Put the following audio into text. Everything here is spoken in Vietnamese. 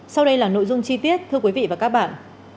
sau đây là nội dung chi tiết thưa quý vị và các bạn